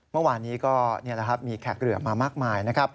เมื่อวานนี้ก็มีแขกเหลือมามากมายนะครับ